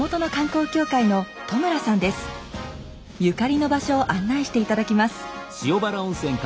ゆかりの場所を案内して頂きます。